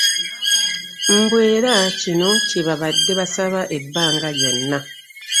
Mbu era kino kye babadde basaba ebbanga lyonna